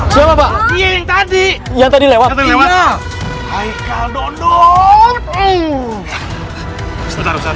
coba coba yang tadi tadi lewat lewat hai kondor